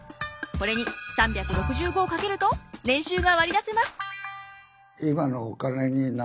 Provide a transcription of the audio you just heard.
これに３６５を掛けると年収が割り出せます。